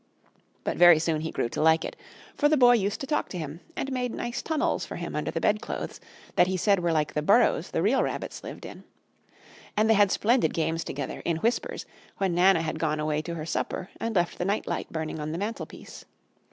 But very soon he grew to like it, for the Boy used to talk to him, and made nice tunnels for him under the bedclothes that he said were like the burrows the real rabbits lived in. And they had splendid games together, in whispers, when Nana had gone away to her supper and left the night light burning on the mantelpiece.